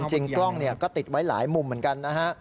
จริงกล้องก็ติดไว้หลายมุมเหมือนกันนะฮะ